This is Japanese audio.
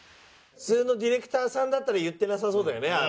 普通のディレクターさんだったら言ってなさそうだよね。